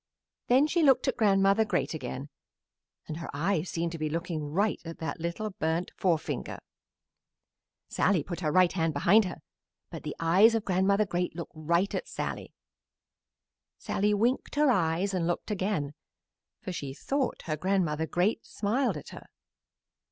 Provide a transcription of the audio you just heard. Then she looked at Grandmother Great again and her eyes seemed to be looking right at that little burnt forefinger. Sallie put her right hand behind her, but the eyes of Grandmother Great looked right at Sallie. Sallie winked her eyes and looked again, for she thought her Grandmother Great smiled at her.